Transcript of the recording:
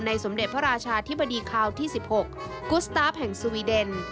สมเด็จพระราชาธิบดีคาวที่๑๖กุสตาฟแห่งสวีเดน